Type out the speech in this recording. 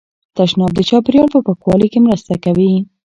تشناب د چاپیریال په پاکوالي کې مرسته کوي.